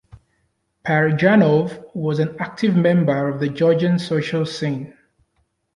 Parajanov was an active member of the Georgian social scene.